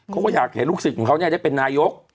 เขาก็อยากเห็นลูกศิษย์ของเขาได้เป็นนายก